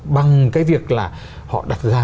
bằng cái việc là họ đặt ra